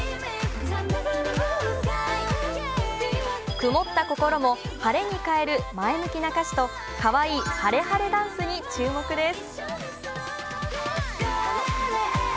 曇った心も晴れに変える前向きな歌詞とかわいいＨａｒｅＨａｒｅダンスに注目です。